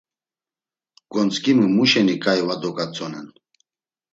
Gontzǩimu muşeni ǩai var dogatzonen?